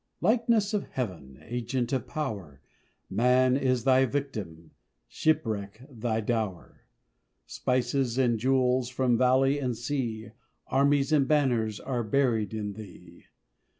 Likeness of Heaven! Agent of power; Man is thy victim, Shipwreck thy dower! Spices and jewels From valley and sea, Armies and banners, Are buried in thee!